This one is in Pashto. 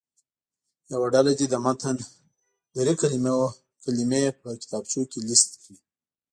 یوه ډله دې د متن دري کلمې په کتابچو کې لیست کړي.